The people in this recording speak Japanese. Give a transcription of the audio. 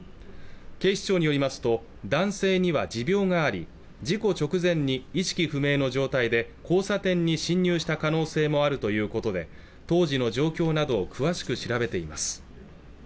警視庁によりますと男性には持病があり事故直前に意識不明の状態で交差点に進入した可能性もあるということで当時の状況などを詳しく調べています